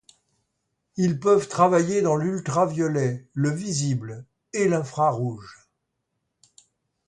Ils peuvent travailler dans l'ultraviolet, le visible et l'infrarouge.